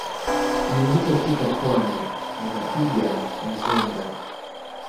Nilipofika pwani nikapiga mzinga